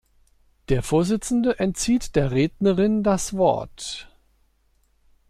Der Vorsitzende entzieht der Rednerin das Wort.